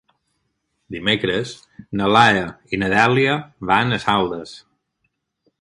Dimecres na Laia i na Dèlia van a Saldes.